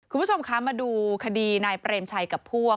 คุณผู้ชมคะมาดูคดีนายเปรมชัยกับพวก